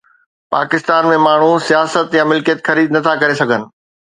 پاڪستان ۾ ماڻهو سياست يا ملڪيت خريد نٿا ڪري سگهن